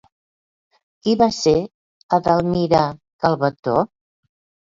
Qui va ser Edelmira Calvetó?